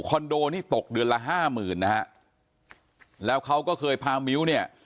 โดนี่ตกเดือนละห้าหมื่นนะฮะแล้วเขาก็เคยพามิ้วเนี่ย